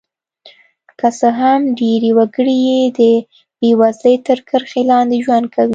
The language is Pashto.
که څه هم ډېری وګړي یې د بېوزلۍ تر کرښې لاندې ژوند کوي.